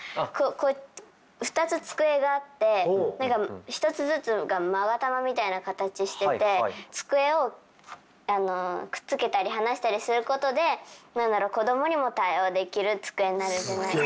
こう２つ机があって何か一つずつが勾玉みたいな形してて机をくっつけたり離したりすることで何だろう子どもにも対応できる机になるんじゃないか。